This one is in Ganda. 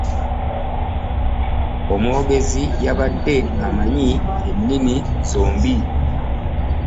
Omwogezi yabadde amanyi ennimi zombi.